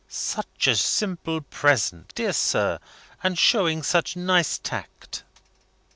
("Such a simple present, dear sir! and showing such nice tact!")